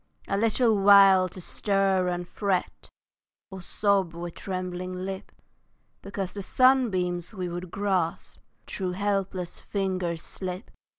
A little while to stir and fret, Or sob with trembling lip Because the sunbeams we would grasp Through helpless fingers slip.